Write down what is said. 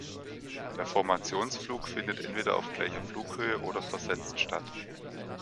Der Formationsflug findet entweder auf gleicher Flughöhe oder versetzt statt.